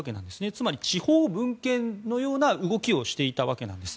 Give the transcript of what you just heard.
つまり地方分権のような動きをしていたわけなんです。